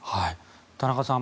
田中さん